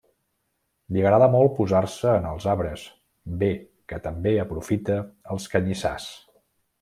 Li agrada molt posar-se en els arbres, bé que també aprofita els canyissars.